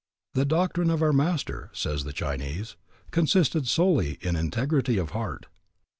The doctrine of our master, says the Chinese, consisted solely in integrity of heart.